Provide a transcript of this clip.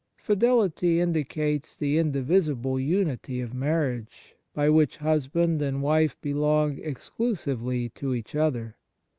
Fidelity indicates the indivisible unity of marriage, by which husband and wife belong exclusively to each other.